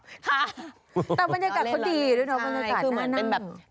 ต้องเป็นบรรยากาศให้ดีด้วยเนอะบรรยากาศภาคหน้านั้น